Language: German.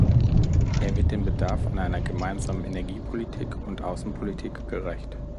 Er wird dem Bedarf an einer gemeinsamen Energiepolitik und Außenpolitik gerecht.